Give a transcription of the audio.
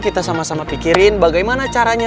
kita sama sama pikirin bagaimana caranya